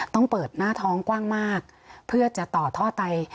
ต้องเปิดหน้าท้องกว้างมากเพื่อจะต่อท่อไต